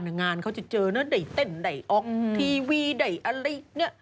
งานเขาจะเจอนะได้เต้นได้ออกทีวีได้อะไรเนี่ย